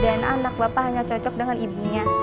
dan anak bapak hanya cocok dengan ibunya